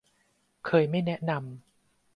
เคยไม่แนะนำ